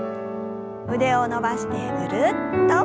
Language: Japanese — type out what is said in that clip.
腕を伸ばしてぐるっと。